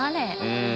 うん。